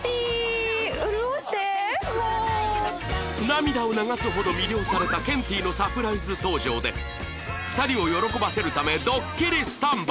涙を流すほど魅了されたケンティーのサプライズ登場で２人を喜ばせるためドッキリスタンバイ！